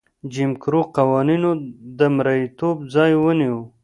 جیم کرو قوانینو د مریتوب ځای ونیو.